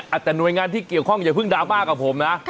แต่หน่วยงานที่เกี่ยวข้องอย่าเพิ่งดราม่ากับผมนะ